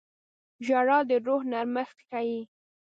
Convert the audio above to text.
• ژړا د روح نرمښت ښيي.